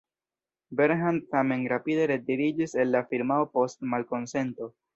Bernhard tamen rapide retiriĝis el la firmao post malkonsento.